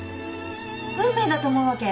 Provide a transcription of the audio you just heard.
運命だと思うわけ。